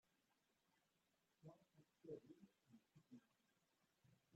Ta akked tahin d yessetma.